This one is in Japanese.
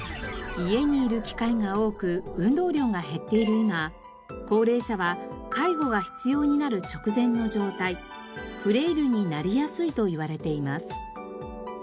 家にいる機会が多く運動量が減っている今高齢者は介護が必要になる直前の状態フレイルになりやすいといわれています。